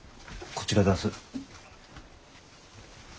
こちらだす。